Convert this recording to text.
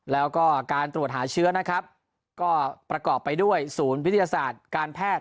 แล้วก็การตรวจหาเชื้อนะครับก็ประกอบไปด้วยศูนย์วิทยาศาสตร์การแพทย์